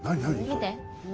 見て。